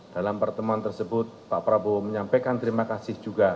dalam pertemuan tersebut pak prabowo menyampaikan terima kasih juga